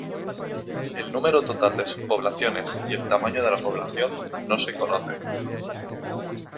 El número total de subpoblaciones y el tamaño de la población no se conoce.